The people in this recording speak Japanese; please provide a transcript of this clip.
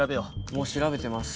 もう調べてます。